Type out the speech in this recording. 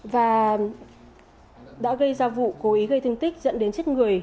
và đã gây ra vụ cố ý gây thương tích dẫn đến chết người